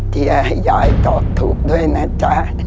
ที่จะให้ยายตอบถูกด้วยนะจ๊ะ